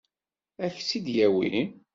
Ad k-tt-id-yawi?